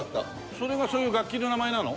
それがそういう楽器の名前なの？